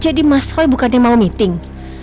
jadi mas roy bukannya mau meeting